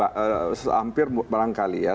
hampir barangkali ya